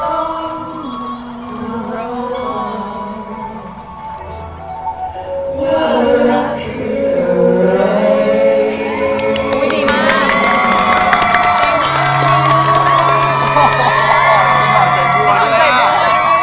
เขามีความรู้สึกอ๋อ